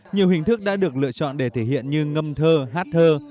nhiều hình thức đã được lựa chọn để thể hiện như ngâm thơ hát thơ